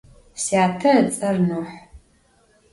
Syate ıts'er Nuh.